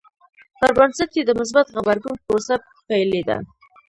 پر بنسټ یې د مثبت غبرګون پروسه پیلېده.